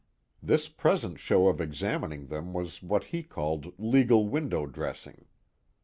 This present show of examining them was what he called legal window dressing.